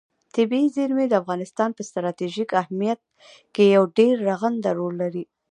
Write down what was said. طبیعي زیرمې د افغانستان په ستراتیژیک اهمیت کې یو ډېر رغنده رول لري.